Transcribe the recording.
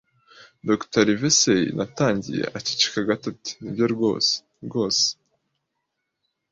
Dr. Livesey - ”Natangiye. Aceceka gato ati: "Nibyo rwose," rwose